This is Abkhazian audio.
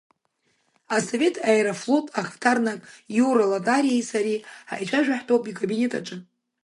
Асовет аерофлот ахаҭарнак Иура Латариеи сареи ҳаицәажәо ҳтәоуп икабинет аҿы.